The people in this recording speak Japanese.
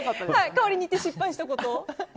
代わりに言って失敗したことは？